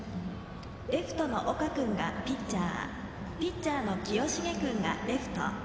レフトの岡君がピッチャーピッチャーの清重君がレフト。